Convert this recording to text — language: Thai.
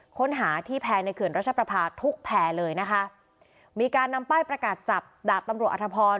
ค้นหาที่แพร่ในเขื่อนรัชประพาทุกแพร่เลยนะคะมีการนำป้ายประกาศจับดาบตำรวจอธพร